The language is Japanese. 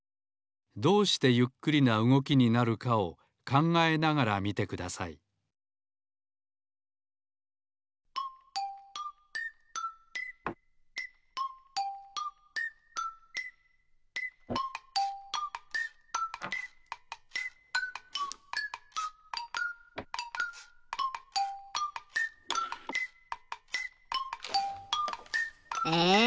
どうしてゆっくりなうごきになるかを考えながら見てくださいえ